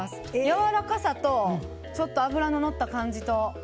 やわらかさとちょっと脂ののった感じと。